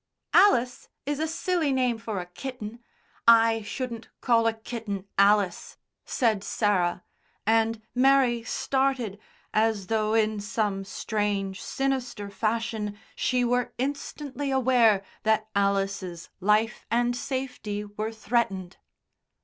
"Alice is a silly name for a kitten. I shouldn't call a kitten Alice," said Sarah, and Mary started as though in some strange, sinister fashion she were instantly aware that Alice's life and safety were threatened.